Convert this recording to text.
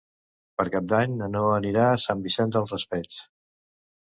Per Cap d'Any na Noa anirà a Sant Vicent del Raspeig.